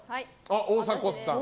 大迫さん。